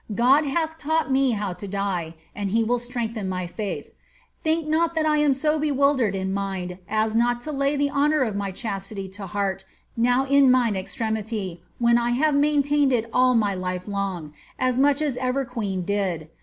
God hath taught me how to die, and he will strengthen my faith. Think not that 1 am so bewildered in my mind as not to lay the honour of my chastity to heart now in mine extremity, when I have maintained it all my life long, as much as ever queen did.